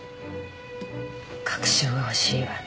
確証が欲しいわね。